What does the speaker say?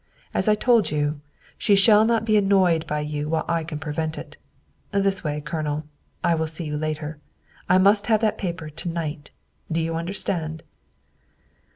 As I told you, she shall not be annoyed by you while I can prevent it. This way, Colonel. I will see you later. I must have that paper to night. Do you understand?"